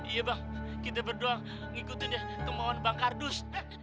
iya bang kita berdoa ngikutin ya kemauan bang kardus